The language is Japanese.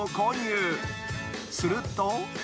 ［すると］